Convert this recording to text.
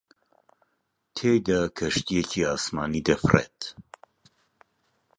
تێیدا کەشتییەکی ئاسمانی دەفڕێت